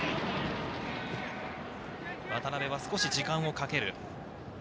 渡辺は少し時間をかける。